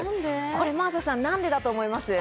真麻さん、なんでだと思います？